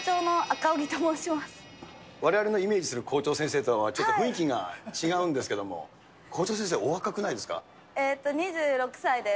われわれのイメージする校長先生とは、ちょっと雰囲気が違うんですけれども、校長先生、２６歳です。